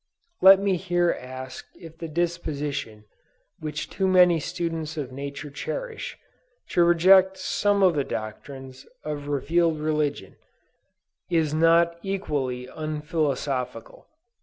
Let me here ask if the disposition which too many students of nature cherish, to reject some of the doctrines of revealed religion, is not equally unphilosophical.